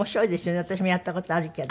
私もやった事あるけど。